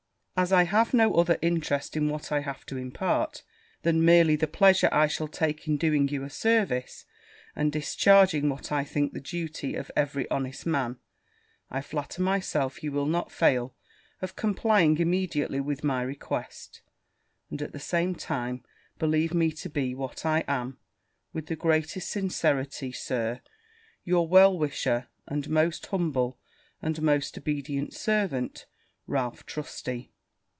As I have no other interest in what I have to impart, than merely the pleasure I shall take in doing you a service, and discharging what I think the duty of every honest man, I flatter myself you will not fail of complying immediately with my request; and, at the same time, believe me to be, what I am, with the greatest sincerity, Sir, your well wisher, and most humble and most obedient servant, RALPH TRUSTY.'